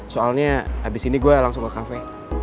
soalnya abis ini gue langsung ke kafe